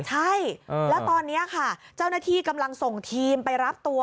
ใช่แล้วตอนนี้ค่ะเจ้าหน้าที่กำลังส่งทีมไปรับตัว